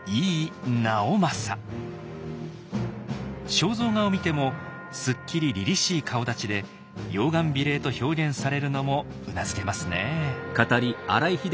肖像画を見てもすっきりりりしい顔だちで「容顔美麗」と表現されるのもうなずけますねぇ。